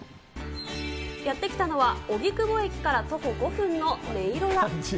やって来たのは荻窪駅から徒歩５分のねいろ屋。